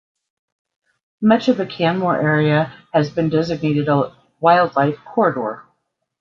Much of the Canmore area has been designated a wildlife corridor.